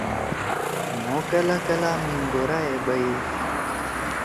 مھو کلاکلا مینگورہ ئے بیَدی۔